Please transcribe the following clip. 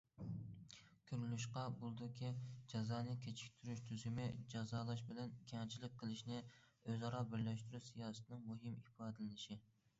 كۆرۈۋېلىشقا بولىدۇكى، جازانى كېچىكتۈرۈش تۈزۈمى جازالاش بىلەن كەڭچىلىك قىلىشنى ئۆزئارا بىرلەشتۈرۈش سىياسىتىنىڭ مۇھىم ئىپادىلىنىشى.